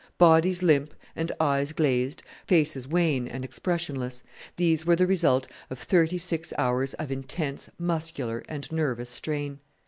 Bodies limp and eyes glazed, faces wan and expressionless, these were the result of thirty six hours of intense muscular and nervous strain.